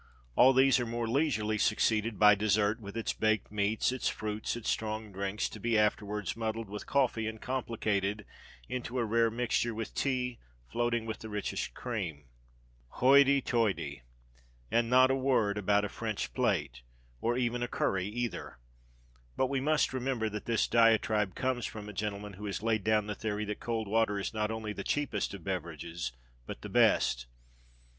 All these are more leisurely succeeded by dessert, with its baked meats, its fruits, and its strong drinks, to be afterwards muddled with coffee, and complicated into a rare mixture with tea, floating with the richest cream." Hoity, toity! And not a word about a French plât, or even a curry, either! But we must remember that this diatribe comes from a gentleman who has laid down the theory that cold water is not only the cheapest of beverages, but the best.